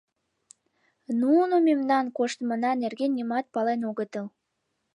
Нуно мемнан коштмына нерген нимат пален огытыл.